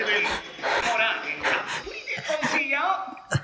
コラーゲンたっぷりでおいしいよ。